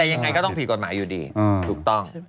แต่ยังไงก็ต้องผิดกฎหมายอยู่ดีถูกต้อง